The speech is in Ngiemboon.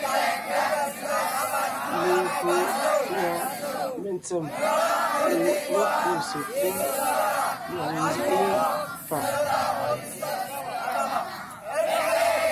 Legÿo pʉ́a mentsèm kuʼu lékúu sekúd lɔg nzíʼi fàʼ,